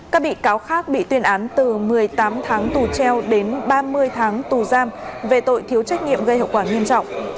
các bị cáo khác bị tuyên án từ một mươi tám tháng tù treo đến ba mươi tháng tù giam về tội thiếu trách nhiệm gây hậu quả nghiêm trọng